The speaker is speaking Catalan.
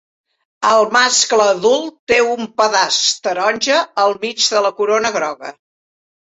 El mascle adult té un pedaç taronja al mig de la corona groga.